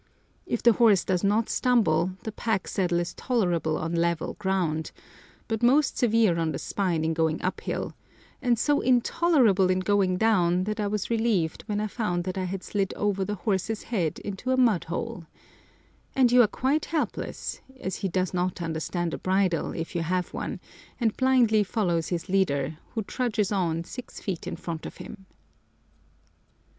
If the horse does not stumble, the pack saddle is tolerable on level ground, but most severe on the spine in going up hill, and so intolerable in going down that I was relieved when I found that I had slid over the horse's head into a mud hole; and you are quite helpless, as he does not understand a bridle, if you have one, and blindly follows his leader, who trudges on six feet in front of him.